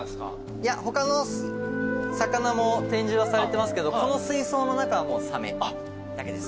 いや他の魚も展示はされてますけどこの水槽の中はサメだけです。